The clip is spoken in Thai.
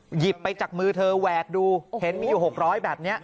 หยิบไปจากมือเธอแหวกดูเห็นมีอยู่๖๐๐แบบนี้